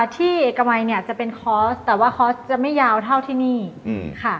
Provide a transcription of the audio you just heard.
ที่เอกมัยเนี่ยจะเป็นคอร์สแต่ว่าคอร์สจะไม่ยาวเท่าที่นี่ค่ะ